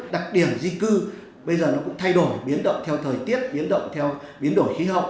đặc điểm di cư bây giờ nó cũng thay đổi biến động theo thời tiết biến động theo biến đổi khí hậu